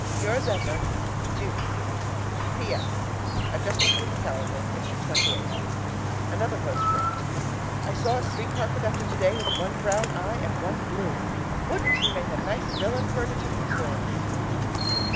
Yours ever, Judy PS. I've just looked at the calendar. It's the 28th. Another postscript. I saw a street car conductor today with one brown eye and one blue. Wouldn't he make a nice villain for a detective story?